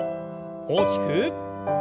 大きく。